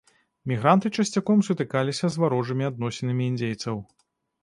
Мігранты часцяком сутыкаліся з варожымі адносінамі індзейцаў.